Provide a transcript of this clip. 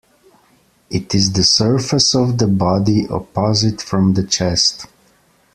It is the surface of the body opposite from the chest.